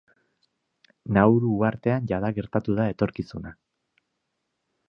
Nauru uhartean jada gertatu da etorkizuna.